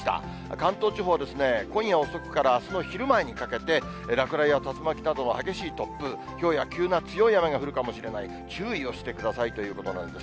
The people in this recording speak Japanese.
関東地方ですね、今夜遅くからあすの昼前にかけて、落雷や竜巻などの激しい突風、ひょうや急な強い雨が降るかもしれない、注意をしてくださいということなんです。